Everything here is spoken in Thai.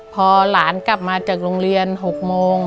พอหลานกลับมาจากโรงเรียน๖โมง